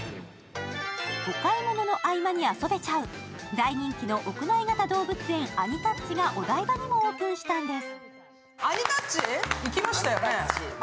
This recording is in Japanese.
お買い物の合間に遊べちゃう大人気の屋外型動物園アニタッチがお台場にもオープンしたんです。